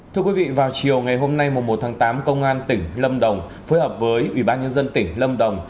thưa quý vị vào chiều ngày hôm nay một một tám công an tỉnh lâm đồng phối hợp với ubnd tỉnh lâm đồng